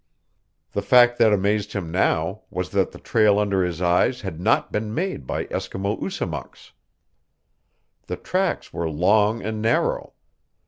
The fact that amazed him now was that the trail under his eyes had not been made by Eskimo usamuks. The tracks were long and narrow.